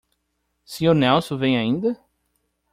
Sr. Nelson vem ainda?